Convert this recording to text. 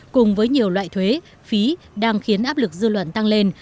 cùng với nhiều loại thuế phí đang khiến áp lực dư luận tăng lên